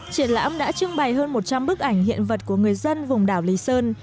triển lãm đã trưng bày hơn một trăm linh bức ảnh hiện vật của người dân vùng đảo lý sơn